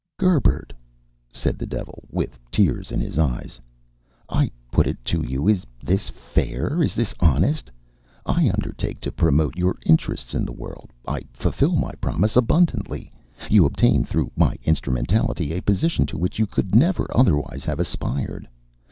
"Gerbert," said the devil, with tears in his eyes, "I put it to you is this fair, is this honest? I undertake to promote your interests in the world; I fulfil my promise abundantly. You obtain through my instrumentality a position to which you could never otherwise have aspired.